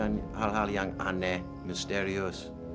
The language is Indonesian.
tuan karjo senang bicarakan hal hal yang aneh misterius